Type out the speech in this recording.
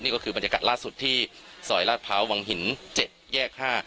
นี่ก็คือบรรยากาศล่าสุดที่ซอยลาดพร้าววังหิน๗แยก๕